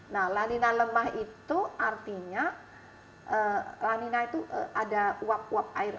nah lanina lemah itu artinya lanina itu ada uap uap air